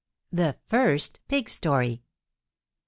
THE FIRST PIG STORY MR.